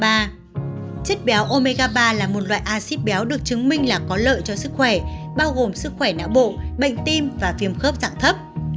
chất béo omega ba là một loại acid béo được chứng minh là có lợi cho sức khỏe bao gồm sức khỏe não bộ bệnh tim và viêm khớp dạng thấp